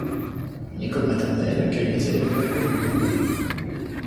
Une école maternelle accueille les élèves de la commune.